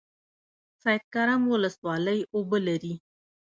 سید کرم ولسوالۍ اوبه لري؟